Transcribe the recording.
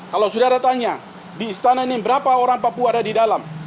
kalau sudah ada tanya di istana ini berapa orang papua ada di dalam